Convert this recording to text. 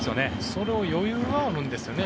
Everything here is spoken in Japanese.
それも余裕があるんですよね。